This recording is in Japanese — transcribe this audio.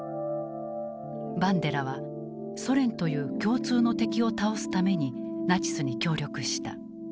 バンデラはソ連という共通の敵を倒すためにナチスに協力した。